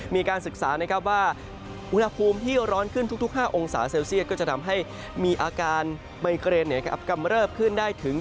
มีการศึกษานะครับว่าอุณหภูมิที่ร้อนขึ้นทุก๕องศาเซลเซียตก็จะทำให้มีอาการไมเกรนกำเริบขึ้นได้ถึง